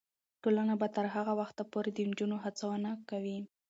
ټولنه به تر هغه وخته پورې د نجونو هڅونه کوي.